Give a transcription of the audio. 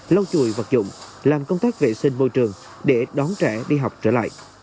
lau chùi vật dụng làm công tác vệ sinh môi trường để đón trẻ đi học trở lại